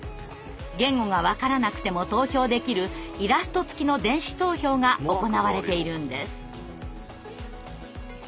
言語が分からなくても投票できるイラスト付きの電子投票が行われているんです。